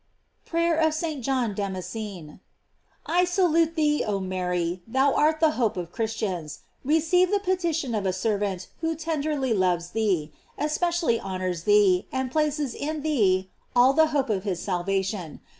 PRAYER OF ST. JOHN DAMASCENE. I SALUTE thee, oh Mary ! thou art the hope of Christians; receive the petition of a servant who tenderly loves thee, especially honors thee, and places in thee all the hope of his salvation.